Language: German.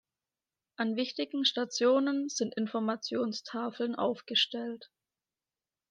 An wichtigen Stationen sind Informationstafeln aufgestellt.